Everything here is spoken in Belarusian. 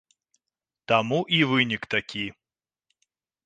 Таму і вынік такі.